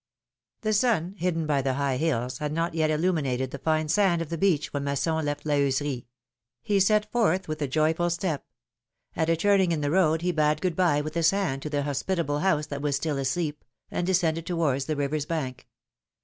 T he sun, hidden by the high hills, had not yet illumi nated the fine sand of the beach when Masson left La Heuserie; he set forth with a joyful step; at a turning in the road he bade good bye with his hand to the hospitable house that was still asleep, and descended towards the river's bank.